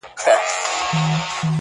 o زې منمه ته صاحب د کُل اختیار یې,